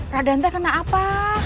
radenta kena apa